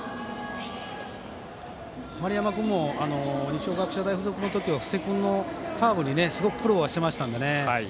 丸山君も二松学舎大付属の時は布施君のカーブにすごく苦労はしてましたのでね。